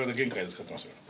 使ってましたから。